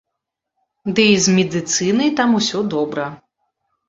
Ды і з медыцынай там усё добра.